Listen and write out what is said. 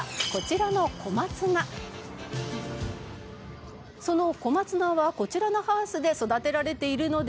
その小松菜はこちらのハウスで育てられているのですが。